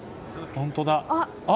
本当だ。